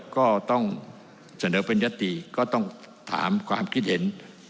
ก็ต้องเสนอเป็นยติก็ต้องถามความคิดเห็น